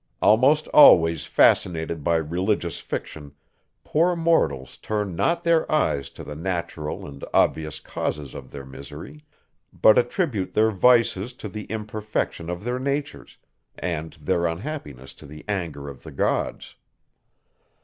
Almost always fascinated by religious fiction, poor mortals turn not their eyes to the natural and obvious causes of their misery; but attribute their vices to the imperfection of their natures, and their unhappiness to the anger of the gods.